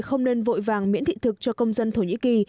không nên vội vàng miễn thị thực cho công dân thổ nhĩ kỳ